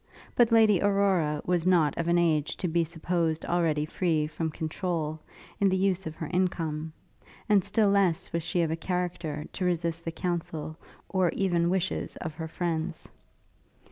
But Lady Aurora was not of an age to be supposed already free from controul, in the use of her income; and still less was she of a character, to resist the counsel, or even wishes of her friends.